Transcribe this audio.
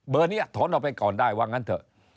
นี้ถอนออกไปก่อนได้ว่างั้นเถอะ